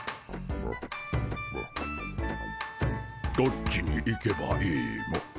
どっちに行けばいいモ。